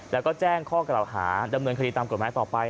แล้วก็แจ้งข้อกล่าวหาดำเนินคดีตามกฎหมายต่อไป